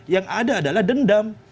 yang ada adalah dendam